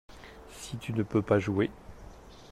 Si tu ne peux pas jouer.